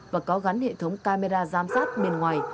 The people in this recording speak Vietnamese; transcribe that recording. và có gắn hệ thống camera giám sát bên ngoài